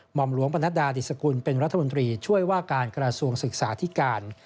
อมหลวงปนัดดาดิสกุลเป็นรัฐมนตรีช่วยว่าการกระทรวงศึกษาธิการ